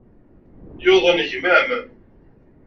Yuḍen gma-m.